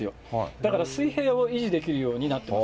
だから水平を維持できるようになってます。